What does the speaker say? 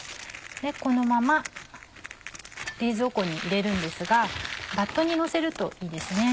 このまま冷蔵庫に入れるんですがバットにのせるといいですね。